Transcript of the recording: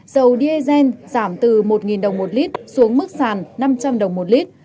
dầu diesel giảm từ một đồng một lít xuống mức sàn năm trăm linh đồng một lít